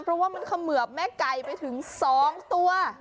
เพราะว่ามันเขมือบแม่ไก่ไปถึง๒ตัว